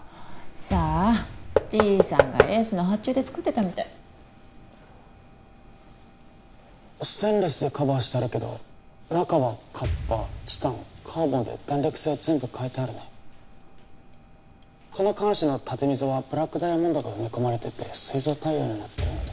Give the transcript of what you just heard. さあじいさんがエースの発注で作ってたみたいステンレスでカバーしてあるけど中はカッパーチタンカーボンで弾力性を全部変えてあるねこの鉗子の縦溝はブラックダイヤモンドが埋め込まれててすい臓対応になってるんだ